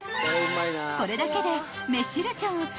［これだけで］